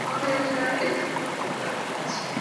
ওর drive copy করে নিচ্ছি।